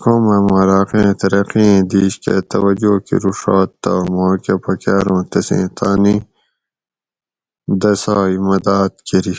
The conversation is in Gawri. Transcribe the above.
کم ہامو علاقیں ترقئیں دِیش کہ توجہ کۤروڛات تہ ماکہ پکاۤر اُوں تسیں تانی دسائی مداۤد کۤری